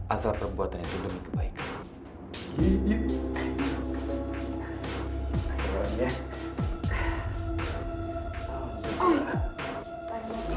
asal perbuatan itu demi kebaikan